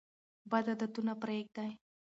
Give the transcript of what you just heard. بد عادتونه پریږدئ.